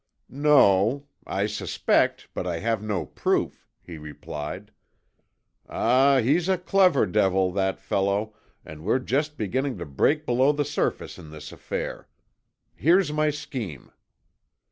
"No. I suspect, but I have no proof," he replied. "Ah, he's a clever devil, that fellow, and we're just beginning to break below the surface in this affair. Here's my scheme."